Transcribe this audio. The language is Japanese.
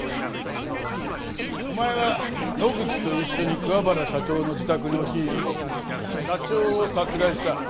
お前は野口と一緒に桑原社長の自宅に押し入り社長を殺害した。